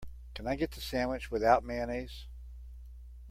Can I get the sandwich without mayonnaise?